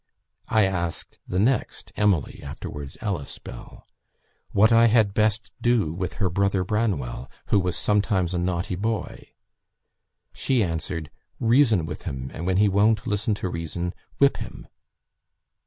I asked the next (Emily, afterwards Ellis Bell), what I had best do with her brother Branwell, who was sometimes a naughty boy; she answered, 'Reason with him, and when he won't listen to reason, whip him.'